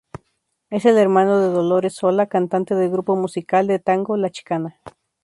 Es el hermano de Dolores Solá, cantante del grupo musical de tango La Chicana.